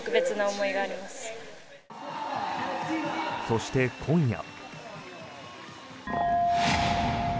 そして、今夜。